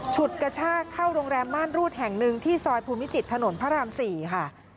ฉุดกระชากเข้าโรงแรมม่านรูดแห่งหนึ่งที่ซอยภูมิจิตถนนพระราม๔ค่ะ